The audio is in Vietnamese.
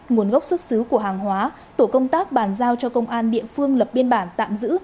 nguồn gốc xuất xứ của hàng hóa tổ công tác bàn giao cho công an địa phương lập biên bản tạm giữ